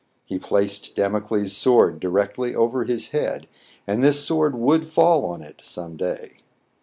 He placed Damocles* sword directly over his head, and this sword would fall on it some day.